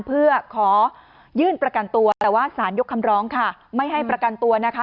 เพื่อขอยื่นประกันตัวแต่ว่าสารยกคำร้องค่ะไม่ให้ประกันตัวนะคะ